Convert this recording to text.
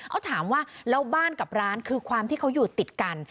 เขาถามว่าแล้วบ้านกับร้านคือความที่เขาอยู่ติดกัน